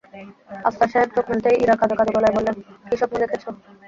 আফসার সাহেব চোখ মেলতেই ইরা কীদো-কাদো গলায় বললেন, কী স্বপ্ন দেখেছ?